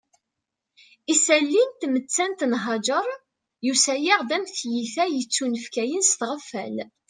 Isalli n tmettant n Haǧer yusa-aɣ-d am tiyita yettunefkayen s tɣeffal